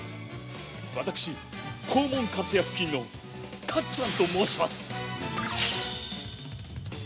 私、肛門括約筋のカッちゃんと申します。